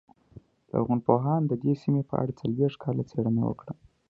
لرغونپوهانو د دې سیمې په اړه څلوېښت کاله څېړنه وکړه